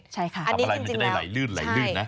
ทำอะไรมันจะได้ไหลลื่นนะ